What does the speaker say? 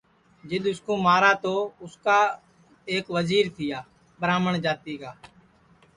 جِدؔ اُس کُو مارہ تو اُس کا اُس کا ایک وزیر ٻرہامٹؔ جاتی کا تیا